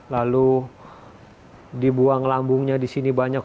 lalu dibuang lambungnya disini banyak